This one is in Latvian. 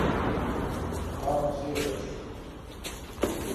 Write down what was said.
Kādus ieročus?